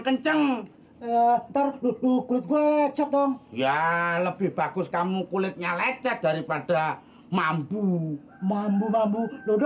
kenceng terbuktu kulit gue cetong ya lebih bagus kamu kulitnya lecet daripada mambu mambu mambu